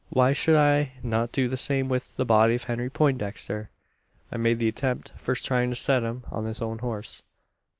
"Why should I not do the same with the body of Henry Poindexter? "I made the attempt first trying to set him on his own horse.